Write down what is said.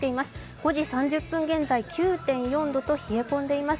５時３０分現在、９．４度と冷え込んでいます。